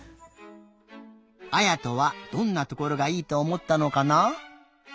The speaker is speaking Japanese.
あやとはどんなところがいいとおもったのかな？